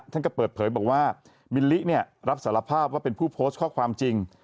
ท่านก็เปิดเผยบอกว่ามิลลิรับสารภาพว่าเป็นผู้โพสต์ข้อความจริง